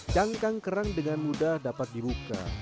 cangkang kerang dengan mudah dapat dibuka